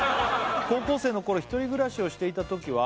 「高校生の頃一人暮らしをしていたときは」